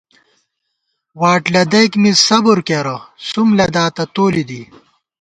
واٹ لَدَئیک مِز صبر کېرہ سُم تلاتہ تولی دی